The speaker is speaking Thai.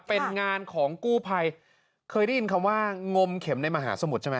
เป็นงานของกู้ภัยเคยได้ยินคำว่างมเข็มในมหาสมุทรใช่ไหม